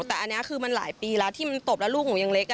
แต่อันนี้คือมันหลายปีแล้วที่มันตบแล้วลูกหนูยังเล็ก